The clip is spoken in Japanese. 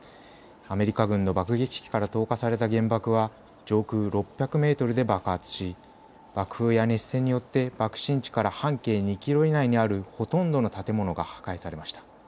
アメリカの爆撃機から投下された原爆は上空６００メートルで爆発し爆風や熱線によって爆心地から半径２キロ以内にあるほとんどの建物が破壊されました。